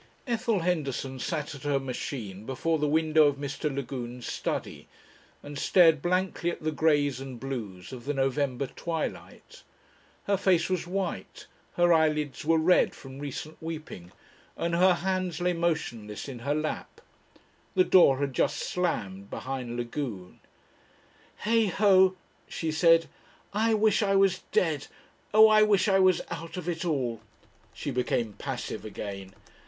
Ethel Henderson sat at her machine before the window of Mr. Lagume's study, and stared blankly at the greys and blues of the November twilight. Her face was white, her eyelids were red from recent weeping, and her hands lay motionless in her lap. The door had just slammed behind Lagune. "Heigh ho!" she said. "I wish I was dead. Oh! I wish I was out of it all." She became passive again.